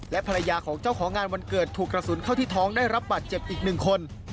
และภรรยาของเจ้าของงานวันเกิดถูกกระสุนเข้าที่ท้องได้รับบาดเจ็บอีกหนึ่งคน